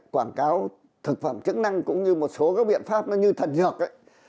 quảng cáo thực phẩm chứng năng cũng như một số các biện pháp nó như thật nhược